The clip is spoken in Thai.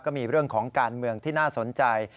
ก็มีเรื่องของการเมืองที่น่าสนใจ